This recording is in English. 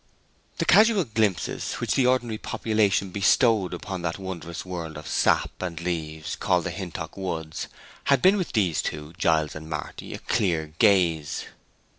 The casual glimpses which the ordinary population bestowed upon that wondrous world of sap and leaves called the Hintock woods had been with these two, Giles and Marty, a clear gaze.